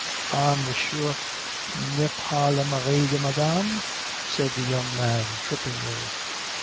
"Ah Monsieur n'est pas le mari de Madame," said the young man trippingly.